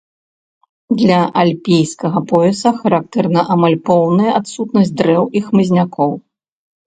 Для альпійскага пояса характэрна амаль поўная адсутнасць дрэў і хмызнякоў.